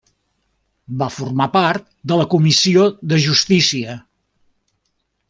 Va formar part de la comissió de justícia.